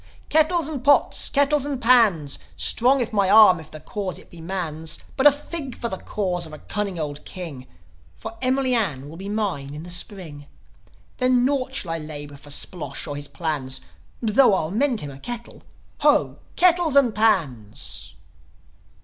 "Kettles and pots! Kettles and pans! Strong is my arm if the cause it be man's. But a fig for the cause of a cunning old king; For Emily Ann will be mine in the Spring. Then nought shall I labour for Splosh or his plans; Tho' I'll mend him a kettle. Ho, kettles and pans!"